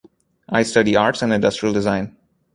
I study arts and industrial design.